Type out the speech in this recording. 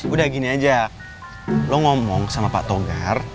udah gini aja lo ngomong sama pak togar